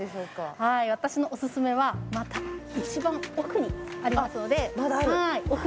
はい私のオススメはまた一番奥にありますのでまだある？